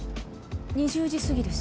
２０時すぎです